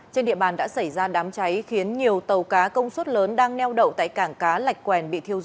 trên địa bàn đã xảy ra đám cháy khiến nhiều tàu cá công suất lớn đang neo đậu tại cảng cá lạch quèn bị thiêu rụi